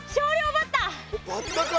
バッタか。